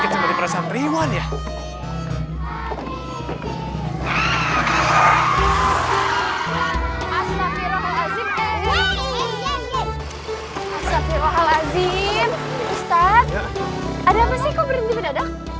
ustaz ada apa sih kok berhenti berdada